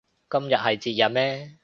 今日係節日咩